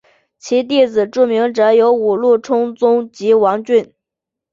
其弟子著名者有五鹿充宗及王骏。